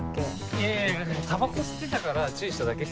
いやいやタバコ吸ってたから注意しただけっすよ。